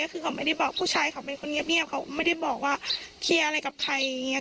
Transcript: คือเขาไม่ได้บอกผู้ชายเขาเป็นคนเงียบเขาไม่ได้บอกว่าเคลียร์อะไรกับใครอย่างนี้